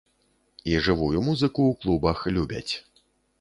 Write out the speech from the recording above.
І жывую музыку ў клубах любяць.